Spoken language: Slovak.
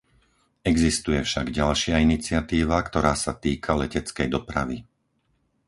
Existuje však ďalšia iniciatíva, ktorá sa týka leteckej dopravy.